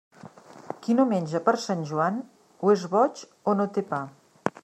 Qui no menja per Sant Joan, o és boig o no té pa.